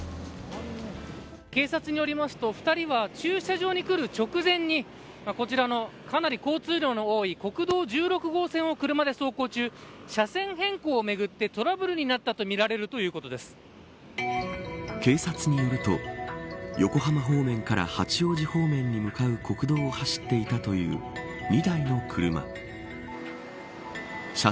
警察によりますと２人は駐車場に来る直前にこちらの、かなり交通量の多い国道１６号線を車で走行中、車線変更をめぐってトラブルになったとみられる警察によると横浜方面から八王子方面に向かう国道を走っていたという２台の車。